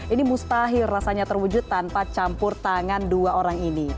ini mustahil rasanya terwujud tanpa campur tangan dua orang ini